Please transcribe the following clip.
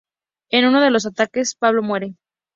En uno de los ataques Pablo muere.